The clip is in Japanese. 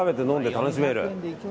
楽しめる！